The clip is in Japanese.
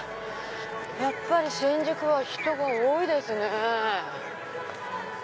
やっぱり新宿は人が多いですね。